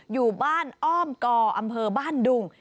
อยู่บ้านอ้อมกออำเภอบ้านดุง